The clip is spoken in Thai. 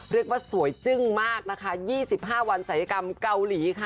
เรียกว่าสวยจึ้งมากนะคะ๒๕วันศัยกรรมเกาหลีค่ะ